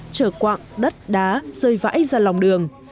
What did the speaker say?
trở quạng đất đá rơi vãi ra lòng đường